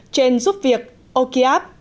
trên giúp việc okiapp